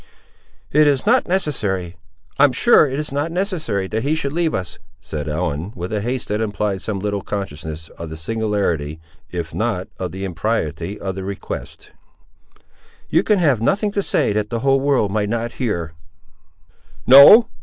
"It is not necessary, I'm sure it is not necessary, that he should leave us," said Ellen, with a haste that implied some little consciousness of the singularity if not of the impropriety of the request. "You can have nothing to say that the whole world might not hear." "No!